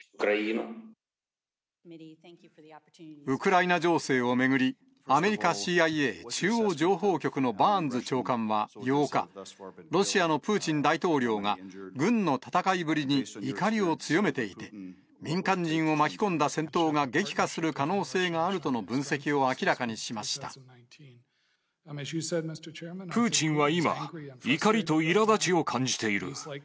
ウクライナ情勢を巡り、アメリカＣＩＡ・中央情報局のバーンズ長官は８日、ロシアのプーチン大統領が、軍の戦いぶりに怒りを強めていて、民間人を巻き込んだ戦闘が激化する可能性があるとの分析を明らかプーチンは今、怒りといらだちを感じている。